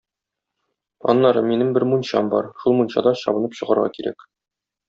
Аннары минем бер мунчам бар, шул мунчада чабынып чыгарга кирәк.